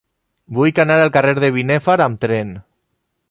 Vull anar al carrer de Binèfar amb tren.